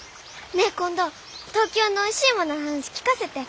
ねえ今度東京のおいしいものの話聞かせて。